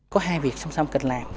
có hai việc song song cần làm